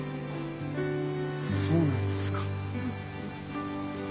そうなんですか。